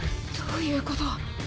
どういうこと？